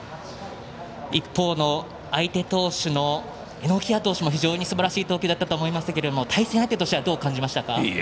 一方の相手投手の榎谷投手も非常にすばらしい投球だったと思いますけれども対戦相手としてどう感じましたか？